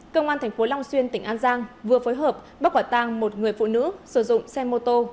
công an tp long xuyên tỉnh an giang vừa phối hợp bắt quả tang một người phụ nữ sử dụng xe mô tô